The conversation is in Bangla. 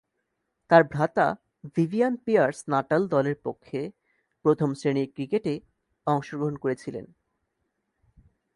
তার ভ্রাতা ভিভিয়ান পিয়ার্স নাটাল দলের পক্ষে প্রথম-শ্রেণীর ক্রিকেটে অংশগ্রহণ করেছিলেন।